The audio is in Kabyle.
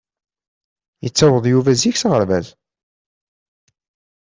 Yettaweḍ Yuba zik s aɣerbaz.